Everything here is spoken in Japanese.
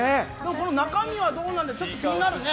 中身はどうなんだろうちょっと気になるね。